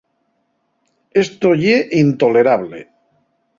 ¡Esto ye intolerable!